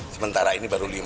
sementara ini baru lima